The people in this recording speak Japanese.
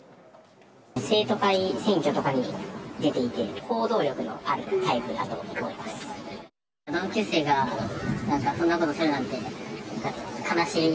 生徒会選挙とかに出ていて、行動力のあるタイプだと思います。